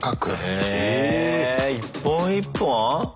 一本一本？